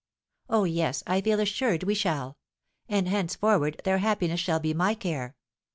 Oh, yes, I feel assured we shall, and henceforward their happiness shall be my care.